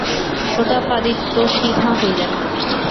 প্রতাপাদিত্য সিধা হইলেন।